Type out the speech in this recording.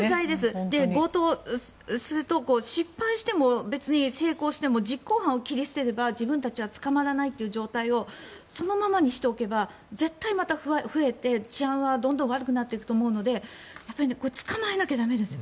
強盗すると失敗しても成功しても実行犯を切り捨てれば自分たちは捕まらないということをそのままにしておけば絶対にまた増えて治安はどんどん悪くなっていくと思うので捕まえなきゃ駄目です。